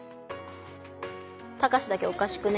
「タカシだけおかしくね？」